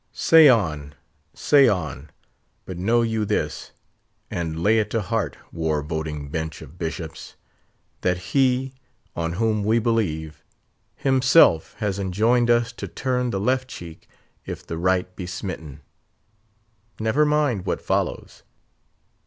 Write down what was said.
Say on, say on; but know you this, and lay it to heart, war voting Bench of Bishops, that He on whom we believe himself has enjoined us to turn the left cheek if the right be smitten. Never mind what follows.